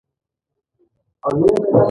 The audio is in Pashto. چې ابوطالب حسیني رښتیا نه دي ویلي.